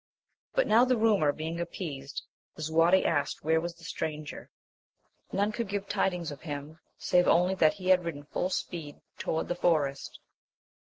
But now the rumour being appeased, Lisuarte asked where was the stranger ? none could give tidings of him, save only that he had ridden full speed toward the forest.